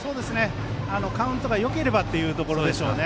カウントがよければというところでしょうね。